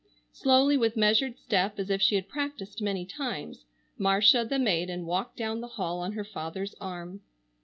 Slowly, with measured step, as if she had practised many times, Marcia, the maiden, walked down the hall on her father's arm.